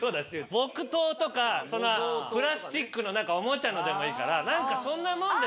木刀とかプラスチックのおもちゃのでもいいから何かそんなもんで。